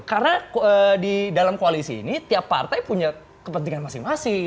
karena di dalam koalisi ini tiap partai punya kepentingan masing masing